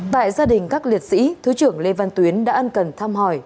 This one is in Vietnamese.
tại gia đình các liệt sĩ thứ trưởng lê văn tuyến đã ăn cần thăm hỏi